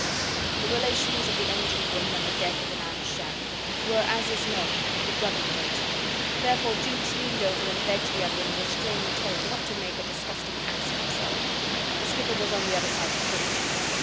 The relations of the "engine room" and the "deck" of the Nan Shan were, as is known, of a brotherly nature; therefore Jukes leaned over and begged the other in a restrained tone not to make a disgusting ass of himself; the skipper was on the other side of the bridge.